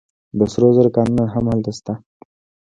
د سرو زرو کانونه هم هلته شته.